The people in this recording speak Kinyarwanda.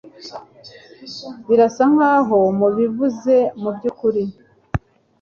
Birasa nkaho mubivuze mubyukuri